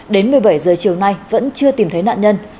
đến một mươi bảy h chiều nay vẫn chưa tìm thấy nạn nhân